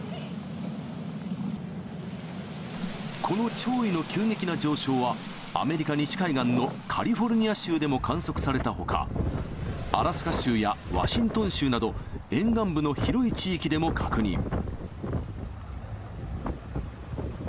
この潮位の急激な上昇は、アメリカ西海岸のカリフォルニア州でも観測されたほか、アラスカ州やワシントン州など、沿岸部の広い地域でも確認。